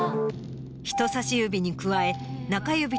人さし指に加え。